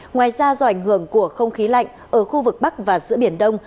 ngoài ra do ảnh hưởng của không khí lạnh ở khu vực bắc và giữa biển đông